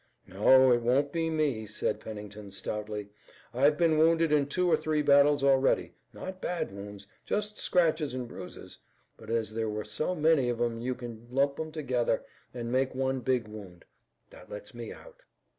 "No, it won't be me," said Pennington stoutly. "I've been wounded in two or three battles already, not bad wounds, just scratches and bruises, but as there were so many of 'em you can lump 'em together, and make one big wound. That lets me out."